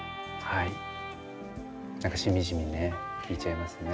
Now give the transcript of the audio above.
はいしみじみね聴いちゃいますね。